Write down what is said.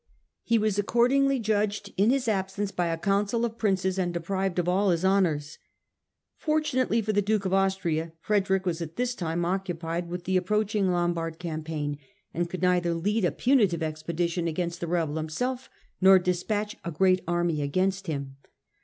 He was accordingly judged in his absence by a Council of Princes and deprived of all his honours. Fortunately for the Duke of Austria, Frederick was at this time occupied with the approaching Lombard campaign, and could neither lead a punitive expedition against the rebel himself nor despatch a great army against him.